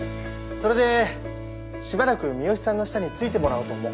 それでしばらく三好さんの下についてもらおうと思う。